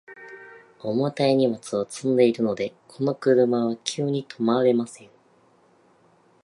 重たい荷物を積んでいるので、この車は急に止まれません。